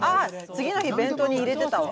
次の日、弁当に入れてたわ。